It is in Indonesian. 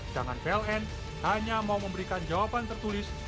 jangan pln hanya mau memberikan jawaban tertulis